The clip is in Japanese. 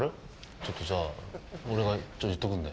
ちょっとじゃあ、俺が言っとくんで。